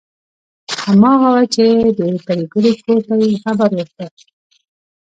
هماغه وه چې د پريګلې کور ته یې خبر ورکړ